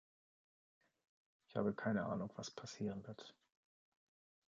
Ich habe keine Ahnung, was passieren wird.